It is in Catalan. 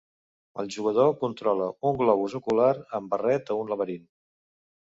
El jugador controla un globus ocular amb barret a un laberint.